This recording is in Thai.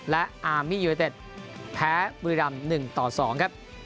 และอารมียูนิเต็ตแพ้บุรีรัม๑๒ครับ